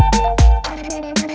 kau mau kemana